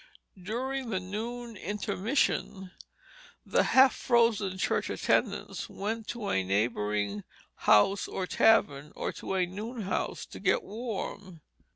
During the noon intermission the half frozen church attendants went to a neighboring house or tavern, or to a noon house to get warm.